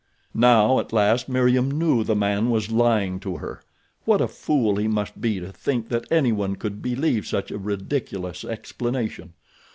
Now, at last, Meriem knew the man was lying to her. What a fool he must be to think that anyone could believe such a ridiculous explanation?